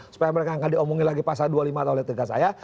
supaya mereka gak diomongin lagi pasal dua puluh lima atau letirkan saya